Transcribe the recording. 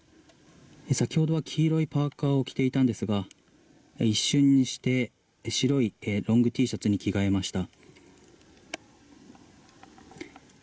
先ほどは黄色いパーカを着ていたんですが一瞬にして、白いロングＴシャツに着替えました。